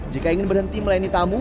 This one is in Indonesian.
jika ingin berhenti melayani tamu